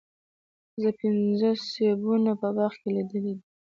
زه پنځه سیبونه په باغ کې لیدلي دي.